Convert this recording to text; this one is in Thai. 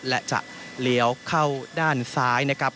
และจะเข้าในด้านซ้ายนะครับ